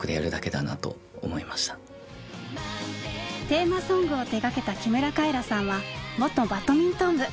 テーマソングを手がけた木村カエラさんは元バドミントン部。